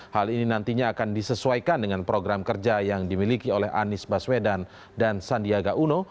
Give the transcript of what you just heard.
hal ini nantinya akan disesuaikan dengan program kerja yang dimiliki oleh anies baswedan dan sandiaga uno